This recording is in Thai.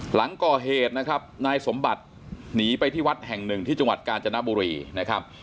หลังก่อเหตุนะครับนายสมบัติหนีไปที่วัดแห่งหนึ่งที่จังหวัดกาญจนบุรีนะครับ